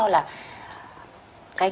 tớ vẫn cho là